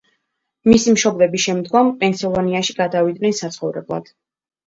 მისი მშობლები შემდგომ, პენსილვანიაში გადავიდნენ საცხოვრებლად.